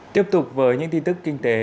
tiếp tục với những tin tức kinh tế